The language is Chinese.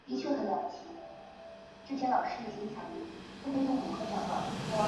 发生事故的是一列属于。